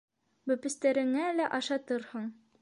Бәпестәреңә лә ашатырһың...